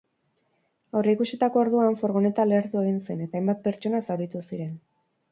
Aurreikusitako orduan, furgoneta lehertu egin zen, eta hainbat pertsona zauritu ziren.